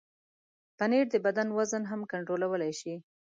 پنېر د بدن وزن هم کنټرولولی شي.